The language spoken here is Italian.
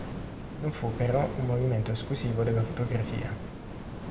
Non fu però un movimento esclusivo della fotografia.